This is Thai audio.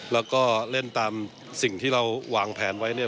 แล้วก็เล่นตามสิ่งที่เราวางแผนไว้เนี่ย